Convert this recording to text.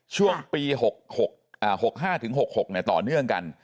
ช่วงปี๖๕๖๖ต่อเนื่องกัน